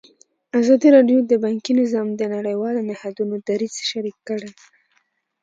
ازادي راډیو د بانکي نظام د نړیوالو نهادونو دریځ شریک کړی.